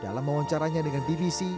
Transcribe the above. dalam wawancaranya dengan divisi